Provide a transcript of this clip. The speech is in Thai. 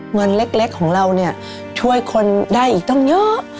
เงินเล็กของเราเนี่ยช่วยคนได้อีกตั้งเยอะ